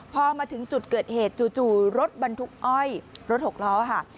พอมาถึงจุดเกิดเหตุจู่รถบรรทุกอ้อยรถหกล้อค่ะ